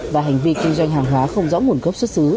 và hành vi kinh doanh hàng hóa không rõ nguồn gốc xuất xứ